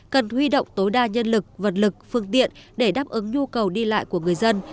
cần huy động tối đa nhân lực vật lực phương tiện để đáp ứng nhu cầu đi lại của người dân